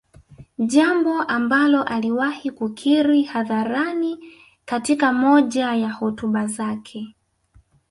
Jambo ambalo aliwahi kukiri hadharani katika moja ya hotuba zake